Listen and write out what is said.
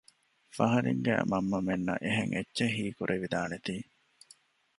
ފަހަރެއްގައި މަންމަމެންނަށް އެހެން އެއްޗެއް ހީ ކުރެވިދާނެތީ